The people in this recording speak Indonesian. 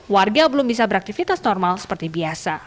warga belum bisa beraktivitas normal seperti biasa